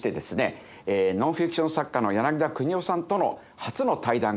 ノンフィクション作家の柳田邦男さんとの初の対談が実現いたしました。